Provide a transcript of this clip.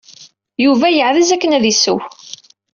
Yuba yeɛdez akken ad d-yesseww.